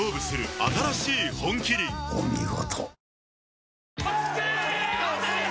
お見事。